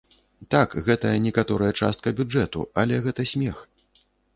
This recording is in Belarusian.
Так, гэта некаторая частка бюджэту, але гэта смех.